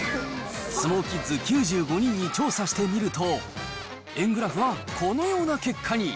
相撲キッズ９５人に調査してみると、円グラフはこのような結果に。